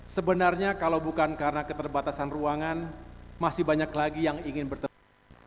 sebenarnya kalau bukan karena keterbatasan ruangan masih banyak lagi yang ingin bertemu